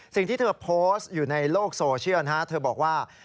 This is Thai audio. สิ่งที่เธอโพสต์อยู่ในโลกโซเชียลนะฮะเธอบอกว่า